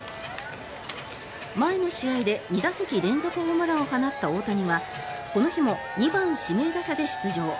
前の試合で２打席連続ホームランを放った大谷はこの日も２番指名打者で出場。